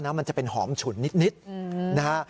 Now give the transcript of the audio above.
มันจะเป็นหอมฉุนนิดนะฮะ